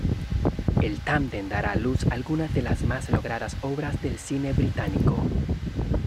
El tándem dará a luz algunas de las más logradas obras del cine británico.